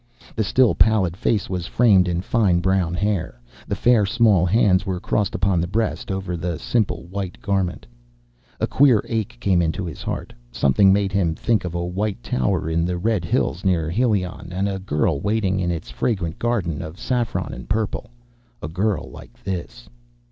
The still, pallid face was framed in fine brown hair. The fair, small hands were crossed upon the breast, over the simple white garment. A queer ache came into his heart. Something made him think of a white tower in the red hills near Helion, and a girl waiting in its fragrant garden of saffron and purple a girl like this.